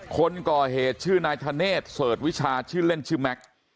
คนก่อเหตุชื่อนายธเนธเสิร์ชวิชาชื่อเล่นชื่อแม็กซ์